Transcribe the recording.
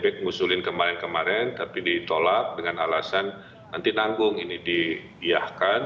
tapi ngusulin kemarin kemarin tapi ditolak dengan alasan nanti nanggung ini dibiarkan